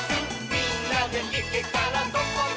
「みんなでいけたらどこでもイス！」